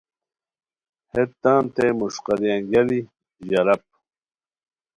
ہیت تانتے مݰقاری انگیالی ژراپ